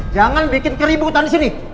jangan bikin keributan disini